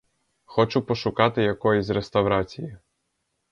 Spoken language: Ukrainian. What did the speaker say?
Хочу пошукати якоїсь реставрації.